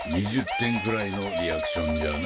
点くらいのリアクションじゃな。